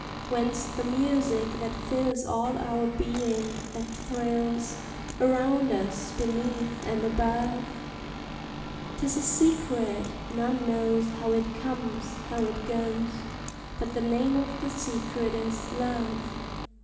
Whence the music that fills all our being that thrills Around us, beneath, and above? 'Tis a secret: none knows how it comes, how it goes But the name of the secret is Love!